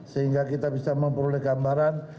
sehingga kita bisa memperoleh gambaran